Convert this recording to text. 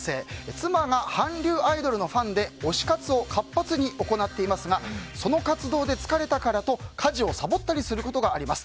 妻が韓流アイドルのファンで推し活を活発に行っていますがその活動で疲れたからと家事をさぼったりすることがあります。